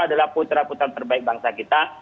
adalah putra putra terbaik bangsa kita